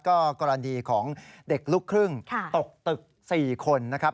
ก็กรณีของเด็กลูกครึ่งตกตึก๔คนนะครับ